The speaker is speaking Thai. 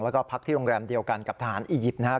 แล้วก็พักที่โรงแรมเดียวกันกับทหารอียิปต์นะครับ